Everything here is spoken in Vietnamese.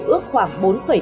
ước khoảng bốn bốn